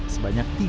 sebanyak tiga ton